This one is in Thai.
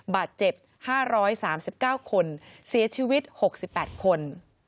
บาดเจ็บ๕๓๙คนเสียชีวิต๖๘คน